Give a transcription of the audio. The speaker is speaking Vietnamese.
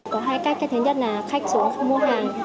có hai cách thứ nhất là khách xuống mua hàng